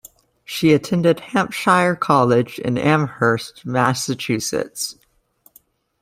She attended Hampshire College in Amherst, Massachusetts.